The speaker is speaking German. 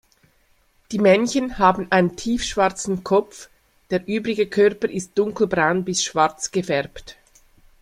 Die Männchen haben einen tiefschwarzen Kopf, der übrige Körper ist dunkelbraun bis schwarz gefärbt.